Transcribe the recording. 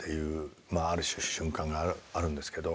ある種瞬間があるんですけど。